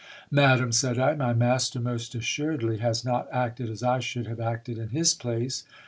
Madam, said I, my master most assuredly has not acted as I should have acted in his place.